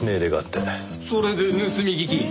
それで盗み聞き？